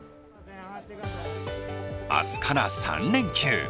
明日から３連休。